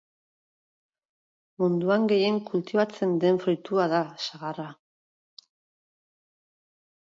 Munduan gehien kultibatzen den fruitua da sagarra.